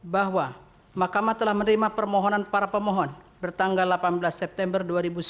bahwa mahkamah telah menerima permohonan para pemohon bertanggal delapan belas september dua ribu sembilan belas